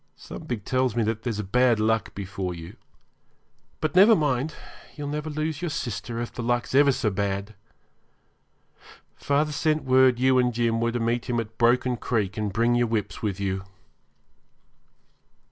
Something tells me that there's bad luck before you. But never mind, you'll never lose your sister if the luck's ever so bad. Father sent word you and Jim were to meet him at Broken Creek and bring your whips with you.'